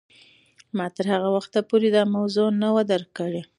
ما تر هغه وخته پورې دا موضوع نه وه درک کړې.